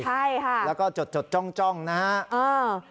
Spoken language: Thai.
ใช่ค่ะแล้วก็จดจ้องนะฮะ